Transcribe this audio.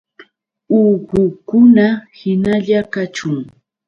¡Uqukuna hinalla kachun!